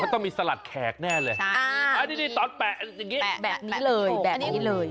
ก็ต้องมีสลัดแขกแน่เลยอ่านี่ตอนแปะแบะนี้เลยแบะนี้เลย